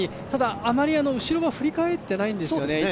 ただ、あまり後ろは振り返ってないんですよね。